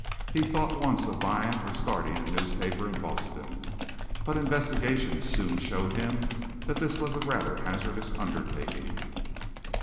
He thought once of buying or starting a newspaper in Boston, but investigation soon showed him that this was a rather hazardous undertaking.